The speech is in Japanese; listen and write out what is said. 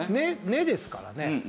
根ですからね。